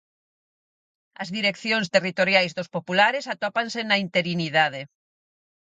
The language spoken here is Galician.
As direccións territoriais dos populares atópanse na interinidade.